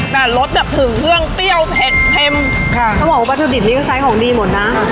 แต่รสแบบถึงเรื่องเตี้ยวเผ็ดเพ็มค่ะต้องบอกว่าประสุนดิบนี้ก็ไซส์ของดีหมดน่ะ